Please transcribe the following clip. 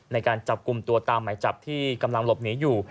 ในการจับกลุ่มตัวตามหมายจับที่กำลังหลบหนีอยู่